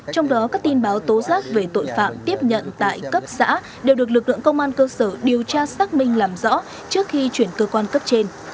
trong đó các tin báo tố giác về tội phạm tiếp nhận tại cấp xã đều được lực lượng công an cơ sở điều tra xác minh làm rõ trước khi chuyển cơ quan cấp trên